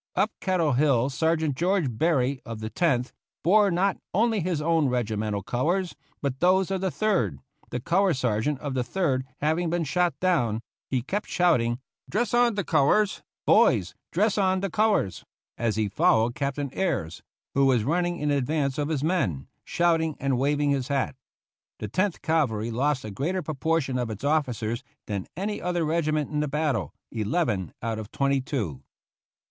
Up Kettle Hill Sergeant George Berry, of the Tenth, bore not only his own regi mental colors but those of the Third, the color sergeant of the Third having been shot down ; he kept shouting, "Dress on the colors, boys, dress on the colors!" as he followed Captain Ayres, who was running in advance of his men, shouting and waving his hat. The Tenth Cavalry lost a greater proportion of its officers than any other regiment in the battle — eleven out of twenty two.